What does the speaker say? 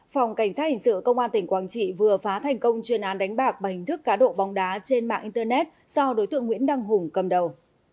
phòng cảnh sát hình sự công an tỉnh quảng trị vừa phá thành công chuyên án đánh bạc bằng hình thức cá độ bóng đá trên mạng internet do đối tượng nguyễn đăng hùng cầm đầu